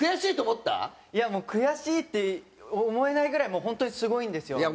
いやもう悔しいって思えないぐらいもう本当にすごいんですよ。